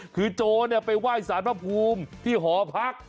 คือโจรไปไหว้สารพระภูมิที่หอพัก